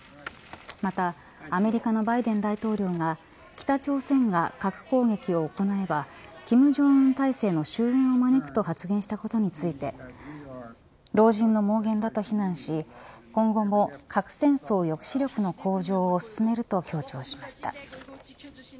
またアメリカのバイデン大統領が北朝鮮が核攻撃を行えば金正恩体制の終焉を招くと発言したことについて老人の妄言だと非難し今後も核戦争抑止力の向上を進めると強調しました。